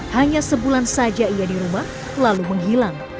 hanya sebulan saja ia di rumah lalu menghilang